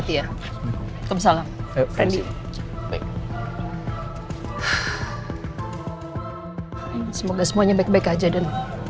mau ambil satu lagi bawa anak buah kamu satu